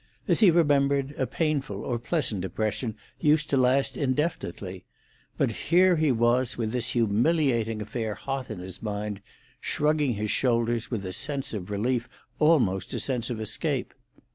As he remembered, a painful or pleasant impression used to last indefinitely; but here he was with this humiliating affair hot in his mind, shrugging his shoulders with a sense of relief, almost a sense of escape.